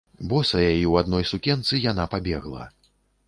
Босая і ў адной сукенцы, яна пабегла.